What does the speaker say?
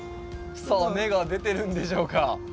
さあ根が出てるんでしょうか？